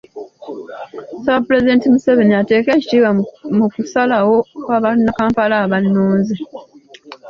Nsaba Pulezidenti Museveni ateeke ekitiibwa mu kusalawo kwa bannakampala abannoonze.